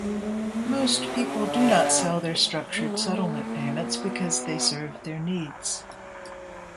Most people do not sell their structured settlement payments because they serve their needs.